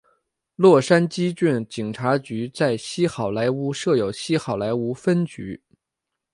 洛杉矶郡警察局在西好莱坞设有西好莱坞分局。